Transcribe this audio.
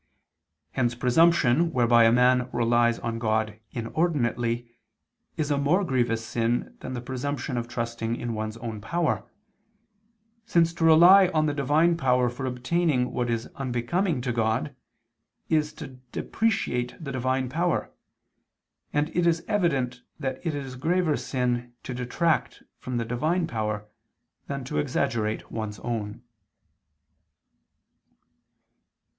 Hence presumption whereby a man relies on God inordinately, is a more grievous sin than the presumption of trusting in one's own power, since to rely on the Divine power for obtaining what is unbecoming to God, is to depreciate the Divine power, and it is evident that it is a graver sin to detract from the Divine power than to exaggerate one's own.